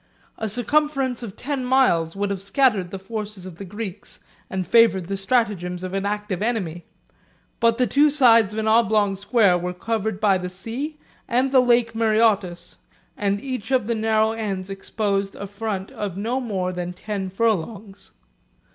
A circumference of ten miles would have scattered the forces of the Greeks, and favored the stratagems of an active enemy; but the two sides of an oblong square were covered by the sea and the Lake Maraeotis, and each of the narrow ends exposed a front of no more than ten furlongs.